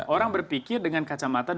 orang berpikir dengan kacau kacau